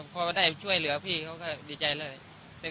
พอได้ช่วยเหลือพี่เขาก็ดีใจแล้ว